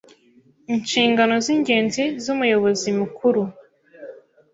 Inshingano z ingenzi z Umuyobozi Mukuru